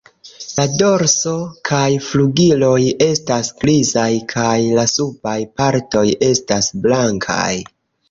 La dorso kaj flugiloj estas grizaj kaj la subaj partoj estas blankaj.